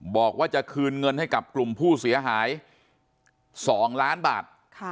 บอกว่าจะคืนเงินให้กับกลุ่มผู้เสียหาย๒ล้านบาท